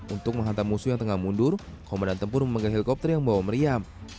untuk menghantam musuh yang tengah mundur komandan tempur memanggil helikopter yang bawa meriam